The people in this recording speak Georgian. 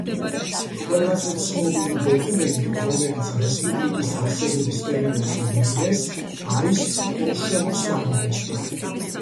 ყველაზე ცნობილი დოკუმენტი, რომელიც რესპუბლიკის არსებობის პერიოდში მიიღეს არის კრუშევოს მანიფესტი.